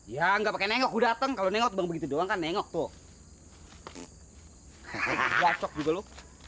ya nggak pake nengok udah dateng kalau nih waktu begitu doang kan nengok tuh hai kacau dulu